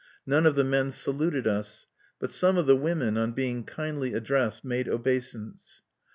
None of the men saluted us; but some of the women, on being kindly addressed, made obeisance.